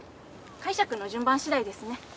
解釈の順番次第ですね。